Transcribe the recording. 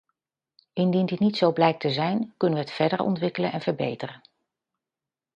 Indien dit niet zo blijkt te zijn, kunnen we het verder ontwikkelen en verbeteren.